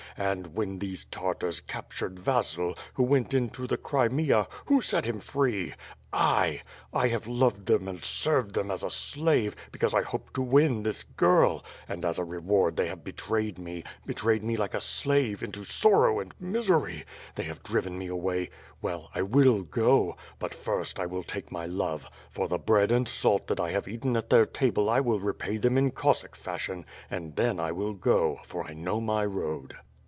And, when the Tartars captured Yasil, who went into the Crimea, who set him free? — I. I have loved them and served them as a slave, because I hoped to win this girl; and, as a reward, they have betrayed me; betrayed me like a slave, into sorrow and misery They have driven me away — well, I will go; but, first, I will take my love; for the bread and salt that I have eaten at their table I will repay them in Cossack fashion — and then I will go, for I know my road."